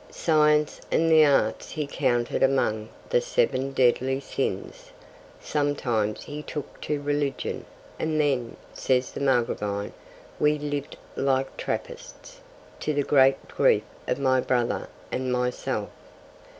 Science and the arts he counted among the "seven deadly sins."' Sometimes he took to religion, 'and then,' says the Margravine, 'we lived like Trappists, to the great grief of my brother and myself.